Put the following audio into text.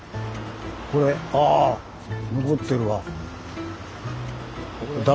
これあ残ってるわ。